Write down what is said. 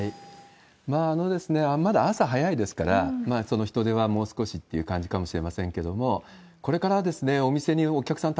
まだ朝早いですから、人出はもう少しっていう感じかもしれませんけれども、これからお店にお客さん